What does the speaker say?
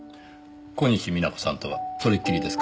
小西皆子さんとはそれっきりですか？